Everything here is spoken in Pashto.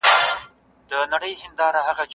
د ماشوم د خوب وخت منظم وساتئ.